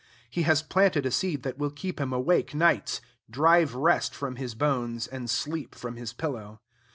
He has planted a seed that will keep him awake nights; drive rest from his bones, and sleep from his pillow.